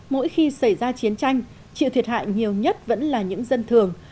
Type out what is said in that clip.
mỗi khi xảy ra chiến tranh chịu thiệt hại nhiều nhất vẫn là những dân thường